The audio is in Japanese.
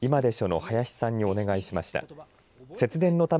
の林さんにお願いしました。